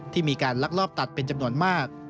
ที่มีการลักลอบตัดเป็นจำนวนมาก